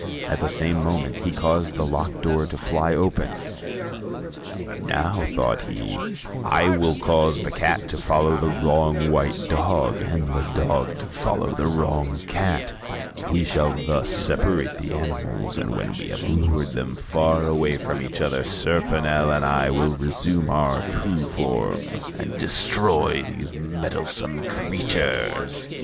At the same moment he caused the locked door to fly open. "Now," thought he, "I will cause the cat to follow the wrong white dog, and the dog to follow the wrong cat; we shall thus separate the animals, and when we have lured them far away from each other, Serponel and I will resume our true forms, and destroy these meddlesome creatures."